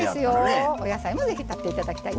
お野菜もぜひとっていただきたい。